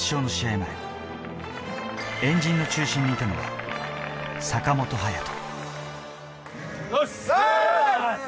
前、円陣の中心にいたのは坂本勇人。